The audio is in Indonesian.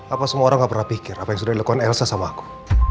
apa semua orang gak pernah pikir apa yang sudah dilakukan elsa sama aku